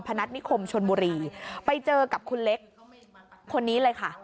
นัทนิคมชนบุรีไปเจอกับคุณเล็กคนนี้เลยค่ะ